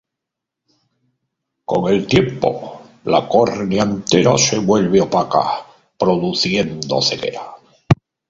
Con el tiempo la córnea entera se vuelve opaca, produciendo ceguera.